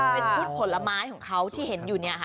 เป็นชุดผลไม้ของเขาที่เห็นอยู่เนี่ยค่ะ